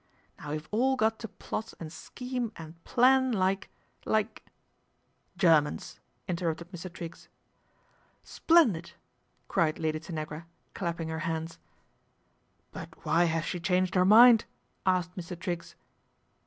Now we've all got to plot and scheme and plan like like "" Germans," interrupted Mr. Triggs. "Splendid!" cried Lady Tanagra, clapping her hands. " But why has she changed her mind ?" asked Mr. Triggs.